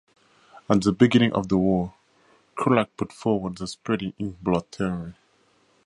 At the beginning of the war, Krulak put forward the Spreading Inkblot Theory.